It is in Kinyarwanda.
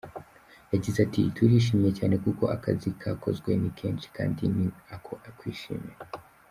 Yagize ati: "Turishimye cyane kuko akazi kakozwe ni kenshi kandi ni ako kwishimira.